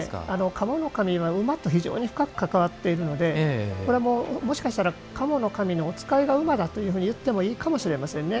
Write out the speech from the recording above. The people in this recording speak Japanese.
賀茂の神は馬が非常に深く関わっているのでこれはもうもしかしたら賀茂の神のお使いが馬だというふうにいってもいいかもしれませんね。